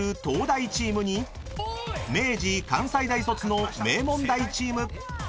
東大チームに明治関西大卒の名門大チーム］